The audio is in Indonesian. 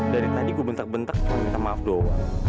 dari tadi gue bentak bentak minta maaf doang